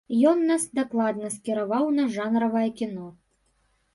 Ён нас дакладна скіраваў на жанравае кіно.